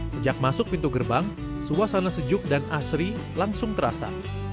sejak masuk pintu gerbang suasana sejuk dan asri langsung terasa